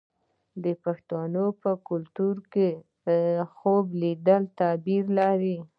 د پښتنو په کلتور کې خوب لیدل تعبیر لري.